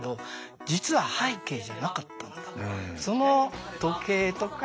実は背景じゃなかったんだ。